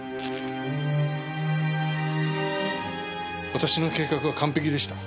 私の計画は完璧でした。